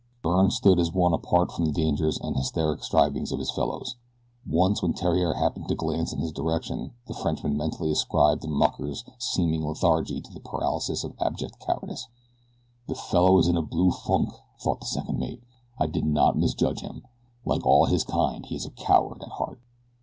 Byrne stood as one apart from the dangers and hysteric strivings of his fellows. Once when Theriere happened to glance in his direction the Frenchman mentally ascribed the mucker's seeming lethargy to the paralysis of abject cowardice. "The fellow is in a blue funk," thought the second mate; "I did not misjudge him like all his kind he is a coward at heart."